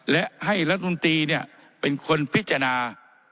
และให้รัฐมนตรีเป็นคนพิจารณา